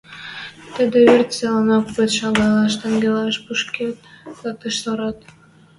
Тӹдӹ верц цилӓнок пыт шалгаш тӹнгӓлӓш, пукшен лыкташ сӧрат.